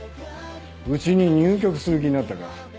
うちに入局する気になったか。